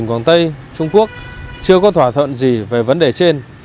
quảng tây trung quốc chưa có thỏa thuận gì về vấn đề trên